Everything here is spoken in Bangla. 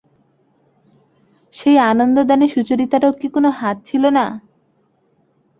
সেই আনন্দদানে সুচরিতারও কি কোনো হাত ছিল না?